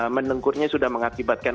mendengkurnya sudah mengakibatkan